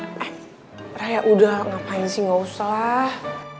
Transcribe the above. eh raya udah ngapain sih ga usah